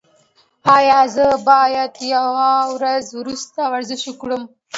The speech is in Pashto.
ایا زه باید یوه ورځ وروسته ورزش وکړم؟